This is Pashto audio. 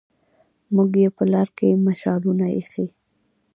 موږ يې په لار کې مشالونه ايښي